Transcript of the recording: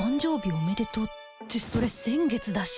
おめでとうってそれ先月だし